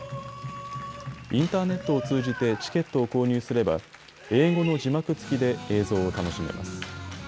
インターネットを通じてチケットを購入すれば英語の字幕付きで映像を楽しめます。